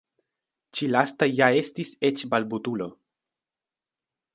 Ĉi lasta ja estis eĉ balbutulo!